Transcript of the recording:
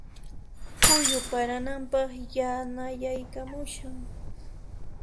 Phuyu parananpaq yanayaykamushan.